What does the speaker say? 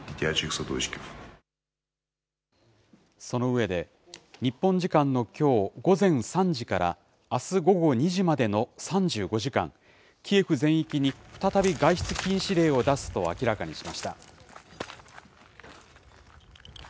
その上で、日本時間のきょう午前３時からあす午後２時までの３５時間、キエフ全域に再び外出禁止令を出すと明らかにしました。